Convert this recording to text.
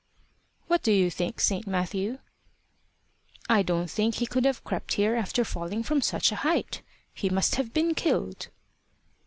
"What do you think, St. Matthew?" "I don't think he could have crept here after falling from such a height. He must have been killed."